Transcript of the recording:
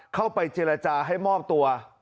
เข้าไปเจรจาให้มอบตัว